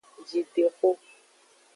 Jidexo.